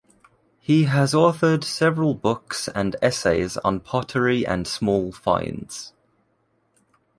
He has authored several books and essays on pottery and small finds.